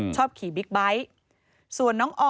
ชอบขี่บิ๊กไบท์